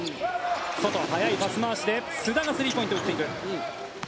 外、速いパス回しで須田がスリーポイントを打っていく。